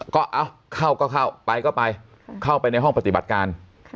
ก็เอ้าเข้าก็เข้าไปก็ไปเข้าไปในห้องปฏิบัติการ